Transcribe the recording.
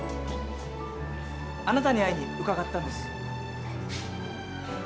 あなたに会いに伺ったんです。